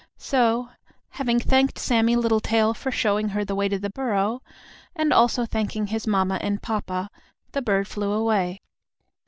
So, having thanked Sammie Littletail for showing her the way to the burrow, and also thanking his mamma and papa, the bird flew away.